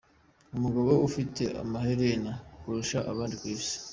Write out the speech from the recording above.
Umugabo ufite amaherena kurusha abandi ku isi